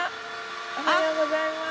おはようございます。